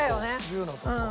１０のとこ。